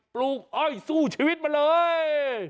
ปลูกอ้อยสู้ชีวิตมาเลย